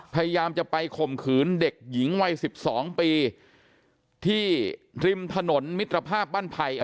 พยายามจะไปข่มขืนเด็กหญิงวัย๑๒ปีที่ริมถนนมิตรภาพบ้านไผ่